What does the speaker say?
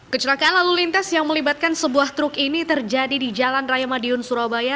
kecelakaan lalu lintas yang melibatkan sebuah truk ini terjadi di jalan raya madiun surabaya